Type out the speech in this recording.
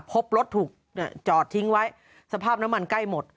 พบรถถูกจอดทิ้งไว้สภาพน้ำมันใกล้หมด